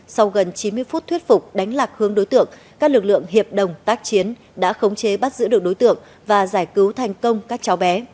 sau gần chín mươi phút thuyết phục đánh lạc hướng đối tượng các lực lượng hiệp đồng tác chiến đã khống chế bắt giữ được đối tượng và giải cứu thành công các cháu bé